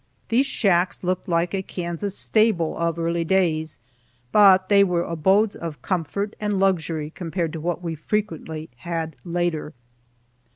These shacks looked like a Kansas stable of early days, but they were abodes of comfort and luxury compared to what we frequently had later.